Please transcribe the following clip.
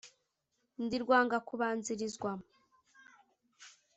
Ndi rwanga kubanzilizwa